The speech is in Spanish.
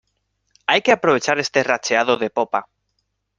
hay que aprovechar este racheado de popa.